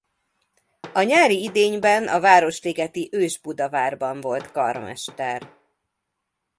A nyári idényben a városligeti Ős-Budavárban volt karmester.